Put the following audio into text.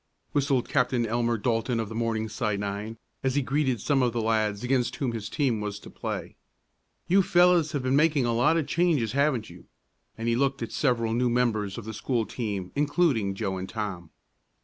whistled Captain Elmer Dalton of the Morningside nine, as he greeted some of the lads against whom his team was to play, "you fellows have been making a lot of changes, haven't you?" and he looked at the several new members of the school team, including Joe and Tom.